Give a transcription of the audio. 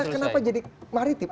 kenapa jadi maritim